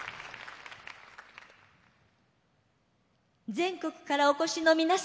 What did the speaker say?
全国からお越しの皆様